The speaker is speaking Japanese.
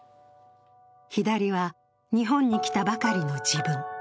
左は、日本に来たばかりの自分。